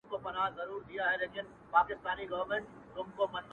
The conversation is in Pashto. لويه گناه ـ